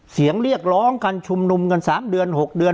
เสียงเรียกร้องการชุมนุมกัน๓เดือน๖เดือน